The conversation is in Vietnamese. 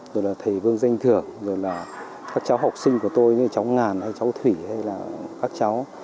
rồi là thầy vương danh thượng rồi là các cháu học sinh của tôi như cháu ngàn hay cháu thủy hay là các cháu